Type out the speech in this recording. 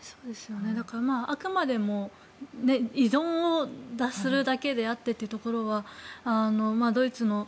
あくまでも依存を脱するだけであってというところはドイツの。